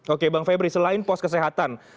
oke bang febri selain pos kesehatan